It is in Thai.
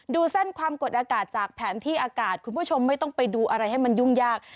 เส้นความกดอากาศจากแผนที่อากาศคุณผู้ชมไม่ต้องไปดูอะไรให้มันยุ่งยาก